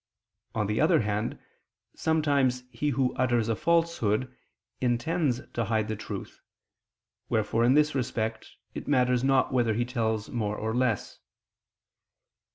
On the other hand, sometimes he who utters a falsehood, intends to hide the truth, wherefore in this respect, it matters not whether he tells more or less.